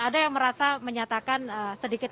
ada yang merasa menyatakan sedikit